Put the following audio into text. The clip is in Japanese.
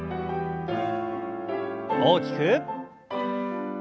大きく。